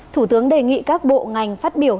thủ tướng đề nghị các bộ ngành phát biểu